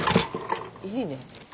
いいね。